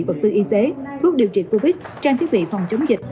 vật tư y tế thuốc điều trị covid trang thiết bị phòng chống dịch